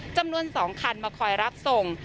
จำนวน๒คันมาคอยรับส่ง